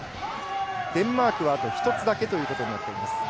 デンマークはあと１つだけとなっています。